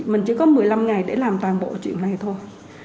mình chỉ có một mươi năm ngày để làm toàn bộ chuyện này thôi